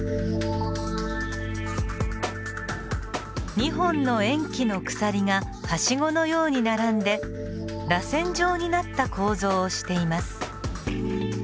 ２本の塩基の鎖がはしごのように並んでらせん状になった構造をしています。